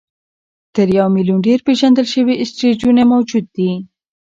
تر یو میلیون ډېر پېژندل شوي اسټروېډونه موجود دي.